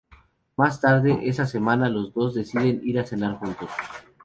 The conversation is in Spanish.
Más tarde esa semana, los dos deciden ir a cenar juntos.